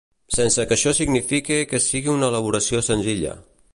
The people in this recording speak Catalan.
Sense que això signifique que siga una elaboració senzilla.